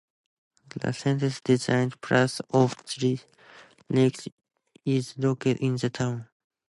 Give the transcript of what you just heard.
The census-designated place of Three Lakes is located in the town.